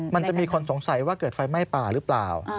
มันจะมีคนสงสัยว่าเกิดไฟไหม้ป่าหรือเปล่า